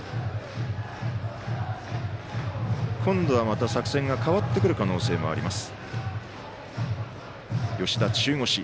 今度はまた作戦が変わってくる可能性があります。